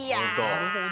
なるほど。